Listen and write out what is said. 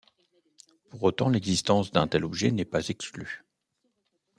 Pour autant, l’existence d’un tel objet n’est pas exclue.